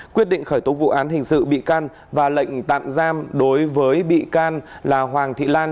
quyết định khởi tố vụ án hình sự bị can và lệnh tạm giam đối với bị can là hoàng thị lan